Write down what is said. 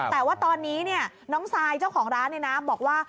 แต่ว่าตอนนี้เนี่ยน้องทรายเจ้าของร้านเนี่ยนะบอกว่า